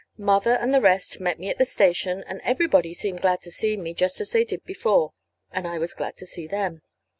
Mother and the rest met me at the station, and everybody seemed glad to see me, just as they did before. And I was glad to see them.